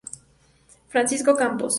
Francisco Campos.